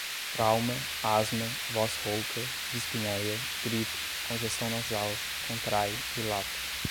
trauma, asma, voz rouca, dispneia, gripe, congestão nasal, contrai, dilata